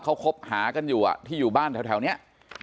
เขาคบหากันอยู่ที่อยู่บ้านแถวนี้